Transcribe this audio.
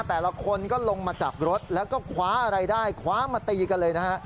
แต่ละคนก็ลงมาจากรถแล้วก็คว้าอะไรได้คว้ามาตีกันเลยนะฮะ